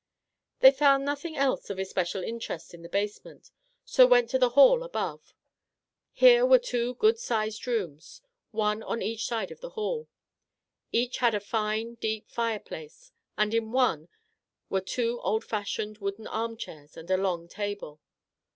They found nothing else of especial interest in the basement, so went to the hall above. Our Little Canadian Cousin 61 Here were two good sized rooms, one on each side of the hall. Each had a fine, deep fire place, and in one were two old fashioned wooden armchairs and a long table.